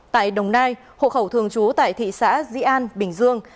tại đồng nai hộ khẩu thường trú tại thị xã di an bình dương